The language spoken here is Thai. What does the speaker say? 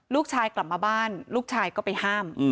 ลูกชายกลับมาบ้านลูกชายก็ไปห้าม